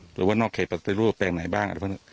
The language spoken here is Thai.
หรือว่านอกเขตปัตยรูปแปลงไหนบ้าง